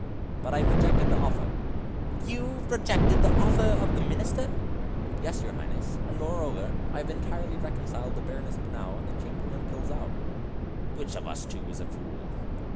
"But I rejected the offer." "YOU rejected the offer of the Minister?" "Yes, your Highness. And, moreover, I have entirely reconciled the Baroness Bonau with the Chamberlain Pilzou." "Which of us two is a fool?"